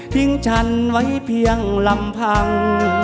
ฉันไว้เพียงลำพัง